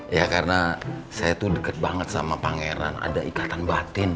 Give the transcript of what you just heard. ya karena saya tuh deket banget sama pangeran ada ikatan batin